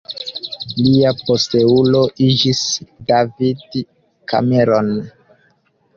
Lia posteulo iĝis David Cameron.